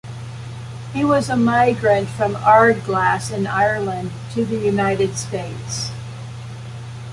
He was a migrant from Ardglass in Ireland to the United States.